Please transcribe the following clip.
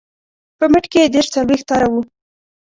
په مټ کې یې دېرش څلویښت تاره وه.